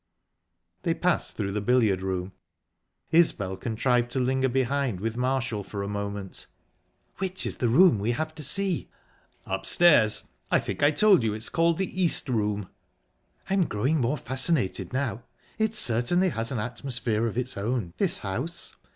They passed through the billiard room. Isbel contrived to linger behind with Marshall for a moment. "Which is the room we have to see?" "Upstairs. I think I told you it's called the East Room." "I'm growing more fascinated now. It certainly has an atmosphere of its own, this house.